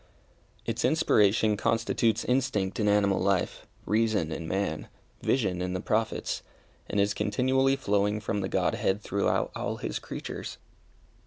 Its inspiration constitutes instinct in animal life, reason in man, vision in the Prophets, and is continually flowing from the Godhead throughout all His creatures.